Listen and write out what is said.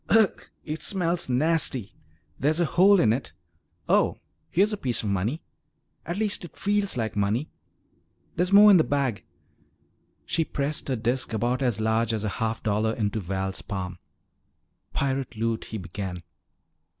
Ugh! It smells nasty! There's a hole in it Oh, here's a piece of money. At least it feels like money. There's more in the bag." She pressed a disk about as large as a half dollar into Val's palm. "Pirate loot " he began.